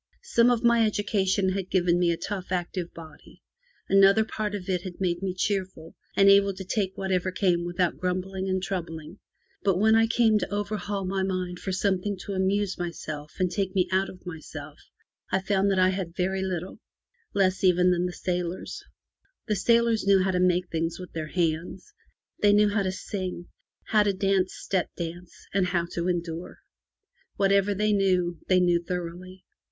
Some of my education had given me a tough, active body; another part of it had made me cheerful, and able to take whatever came without grumbling and troubling; but when I 270 FROM THE TOWER WINDOW came to overhaul my mind for something to amuse me and take me out of myself, I found that I had every little — less even than the sailors. The sailors knew how to make things with their hands; they knew how to sing, how to dance step dance, and how to endure. Whatever they knew, they knew thoroughly.